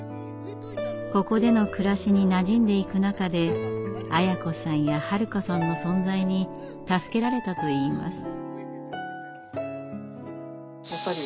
ここでの暮らしになじんでいく中でアヤ子さんやハル子さんの存在に助けられたといいます。